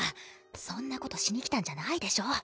そんな事しにきたんじゃないでしょ。